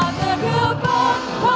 tidak terpengaruh di bawah